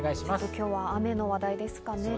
今日は雨の話題ですかね。